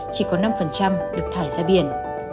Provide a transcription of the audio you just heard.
chỉ có năm được thải ra biển